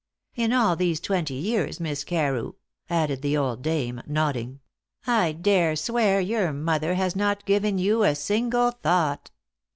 In all these twenty years, Miss Carew," added the old dame, nodding, "I dare swear your mother has not given you a single thought."